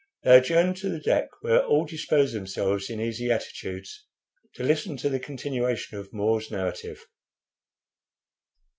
They adjourned to the deck, where all disposed themselves in easy attitudes to listen to the continuation of More's narrative.